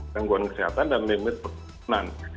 gangguan kesehatan dan limit perkebunan